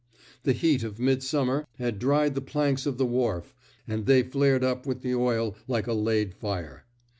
The heat of midsummer had dried the planks of the wharf ; and they flared up with the oil like a laid fire.